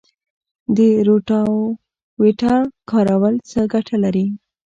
د روټاویټر کارول څه ګټه لري؟